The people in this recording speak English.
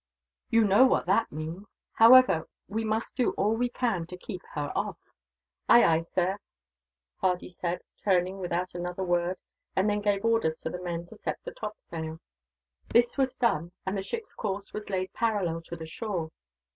"You know what that means. However, we must do all that we can, to keep her off." "Ay, ay, sir," Hardy said, turning without another word, and then gave orders to the men to set the top sail. This was done, and the ship's course was laid parallel to the shore.